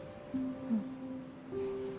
うん。